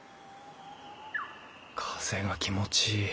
風が気持ちいい。